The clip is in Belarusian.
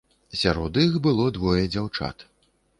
Сярод іх было двое дзяўчат.